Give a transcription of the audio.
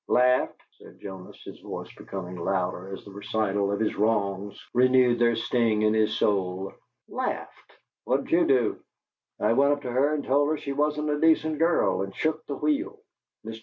"Laughed," said Jonas, his voice becoming louder as the recital of his wrongs renewed their sting in his soul. "Laughed!" "What did you do?" "I went up to her and told her she wasn't a decent girl, and shook the wheel." Mr.